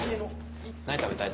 何食べたい？